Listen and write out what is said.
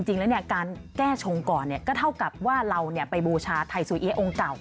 จริงแล้วเนี่ยการแก้ชงก่อนเนี่ยก็เท่ากับว่าเราเนี่ยไปบูชาไทยสวยอียะองค์เก่า